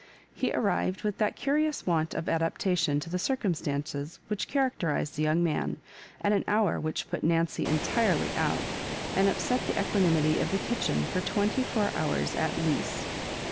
He arrived, with that curious want of adaptation to the circum stances which characterised the young man, at an hour which put Nancy entirely out, and upset the equanimity of the kitchen for twenty four hours at least.